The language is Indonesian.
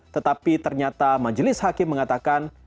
tetapi ternyata majelis hakim mengatakan